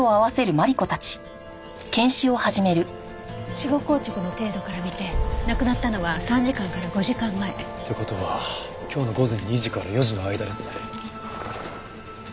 死後硬直の程度から見て亡くなったのは３時間から５時間前。って事は今日の午前２時から４時の間ですね。